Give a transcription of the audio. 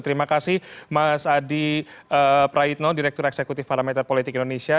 terima kasih mas adi praitno direktur eksekutif parameter politik indonesia